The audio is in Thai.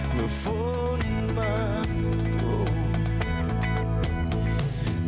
เมื่อฝนมาโป่ง